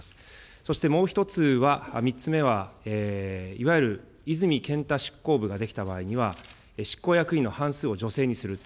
そしてもう一つは、３つ目はいわゆる泉健太執行部が出来た場合には、執行役員の半数を女性にする。